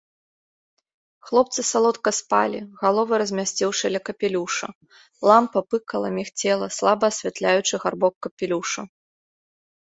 Хлопцы салодка спалі, галовы размясціўшы ля капелюша, лямпа пыкала, мігцела, слаба асвятляючы гарбок капелюша.